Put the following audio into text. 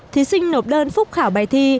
thí sinh nộp đơn phúc khảo bài thi